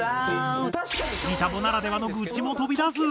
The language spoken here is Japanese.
ギタボならではの愚痴も飛び出す？